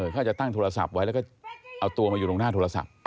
เขาอาจจะตั้งโทรศัพท์ไว้แล้วก็เอาตัวมาอยู่ตรงหน้าโทรศัพท์